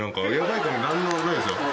何にもないですよ。